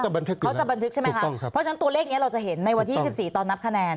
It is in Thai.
เขาจะบันทึกใช่ไหมคะเพราะฉะนั้นตัวเลขนี้เราจะเห็นในวันที่๒๔ตอนนับคะแนน